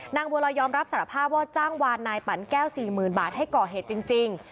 บัวลอยยอมรับสารภาพว่าจ้างวานนายปั่นแก้ว๔๐๐๐บาทให้ก่อเหตุจริง